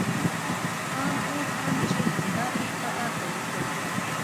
آن اوس هم چې همدا پېښه تا ته لیکم.